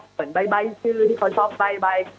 เหมือนใบ้ชื่อที่เค้าชอบใบ้